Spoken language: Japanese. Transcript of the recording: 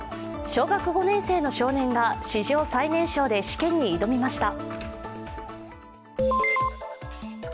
小学５年生の少年が史上最年少で試験に挑みました。